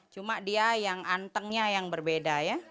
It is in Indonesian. cuma dia yang antengnya yang berbeda ya